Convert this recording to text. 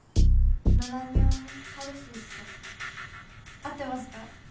合ってますか？